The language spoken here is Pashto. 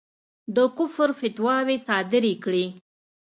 د کُفر فتواوې صادري کړې.